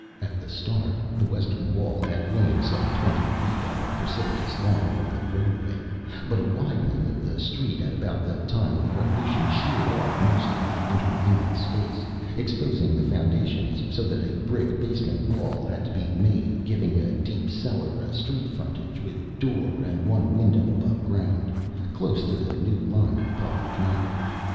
At the start, the western wall had lain some twenty feet up a precipitous lawn from the roadway; but a widening of the street at about the time of the Revolution sheared off most of the intervening space, exposing the foundations so that a brick basement wall had to be made, giving the deep cellar a street frontage with door and one window above ground, close to the new line of public travel.